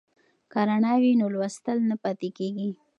که رڼا وي نو لوستل نه پاتې کیږي.